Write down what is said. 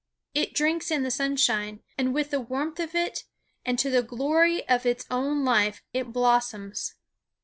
It drinks in the sunshine, and with the warmth of it, and to the glory of its own life, it blossoms.